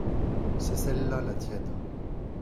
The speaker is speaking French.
C’est celle-là la tienne.